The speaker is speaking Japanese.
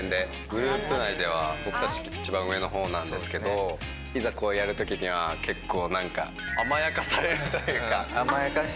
グループ内では、僕たち一番上のほうなんですけれども、いざこうやるときには結構なんか、甘やかされるというか。